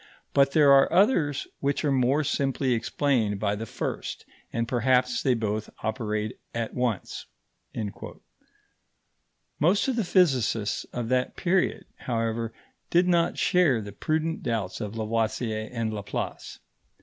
But there are others which are more simply explained by the first, and perhaps they both operate at once." Most of the physicists of that period, however, did not share the prudent doubts of Lavoisier and Laplace.